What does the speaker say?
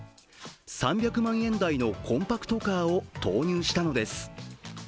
３００万円台のコンパクトカーを投入したのです。